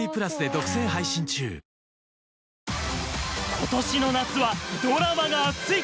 今年の夏はドラマがアツい！